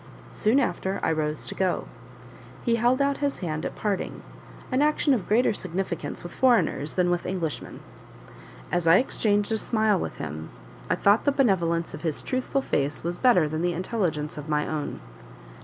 Soon after I rose to go. He held out his hand at parting an action of greater significance with foreigners than with Englishmen. As I exchanged a smile with him, I thought the benevolence of his truthful face was better than the intelligence of my own.